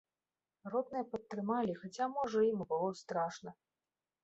Родныя падтрымалі, хаця, можа, ім і было страшна.